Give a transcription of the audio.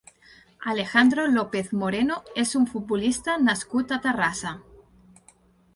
Alejandro López Moreno és un futbolista nascut a Terrassa.